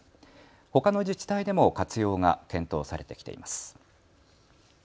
ほかの自治体でも活用が検討されてきています。